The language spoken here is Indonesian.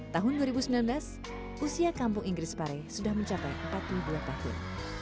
tahun dua ribu sembilan belas usia kampung inggris pare sudah mencapai empat puluh dua tahun